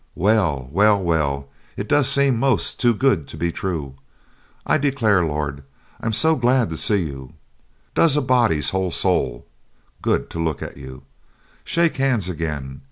Well, well, well, it does seem most too good to be true, I declare! Lord, I'm so glad to see you! Does a body's whole soul good to look at you! Shake hands again!